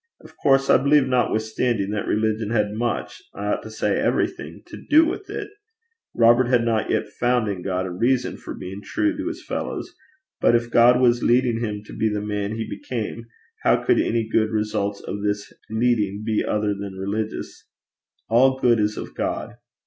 Of course I believe notwithstanding that religion had much, I ought to say everything, to do with it. Robert had not yet found in God a reason for being true to his fellows; but, if God was leading him to be the man he became, how could any good results of this leading be other than religion? All good is of God.